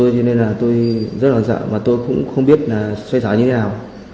cho nên là tôi rất là sợ mà tôi cũng không biết là xoay xoay như thế nào